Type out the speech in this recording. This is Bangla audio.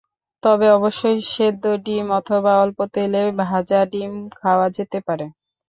তবে অবশ্যই সেদ্ধ ডিম অথবা অল্প তেলে ভাজা ডিম খাওয়া যেতে পারে।